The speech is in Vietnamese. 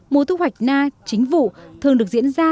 mùa thu hoạch na chính vụ thường được diễn ra